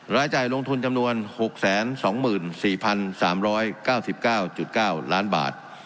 รายจ่ายลงทุนจำนวน๖๒๔๓๙๙๙ล้านบาท